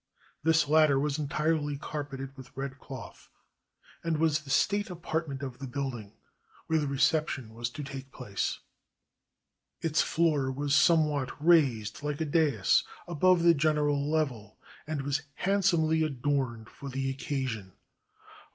This latter was entirely carpeted with red cloth, and was the state apartment of the building where the reception was to take place. Its floor was somewhat raised, like a dais, 434 COMMODORE PERRY IN JAPAN above the general level, and was handsomely adorned for the occasion.